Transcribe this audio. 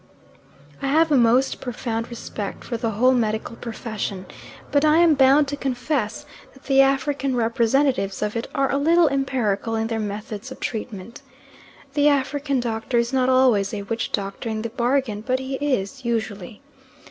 I have a most profound respect for the whole medical profession, but I am bound to confess that the African representatives of it are a little empirical in their methods of treatment. The African doctor is not always a witch doctor in the bargain, but he is usually.